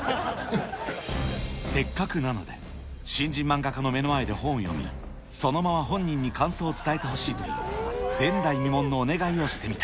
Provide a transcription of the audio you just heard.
せっかくなので、新人漫画家の目の前で本を読み、そのまま本人に感想を伝えてほしいという、前代未聞のお願いをしてみた。